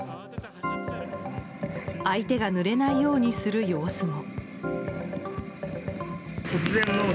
相手がぬれないようにする様子も。